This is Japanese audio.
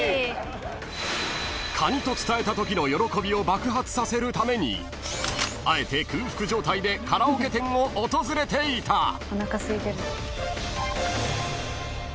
［カニと伝えたときの喜びを爆発させるためにあえて空腹状態でカラオケ店を訪れていた］